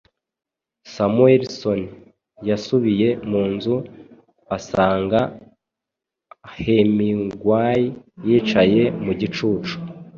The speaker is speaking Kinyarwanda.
Samuelson yasubiye mu nzu asanga Hemingway yicaye mu gicucu